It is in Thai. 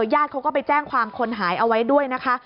ญาติเขาก็ไปแจ้งความคนหายเอาไว้ด้วยนะคะ